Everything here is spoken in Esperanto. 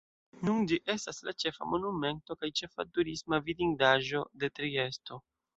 Nun ĝi estas la ĉefa Monumento kaj ĉefa turisma vidindaĵo de Triesto.